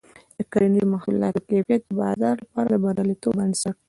د کرنیزو محصولاتو کیفیت د بازار لپاره د بریالیتوب بنسټ دی.